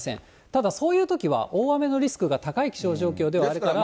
ただそういうときは大雨のリスクが高い気象状況ではあるから。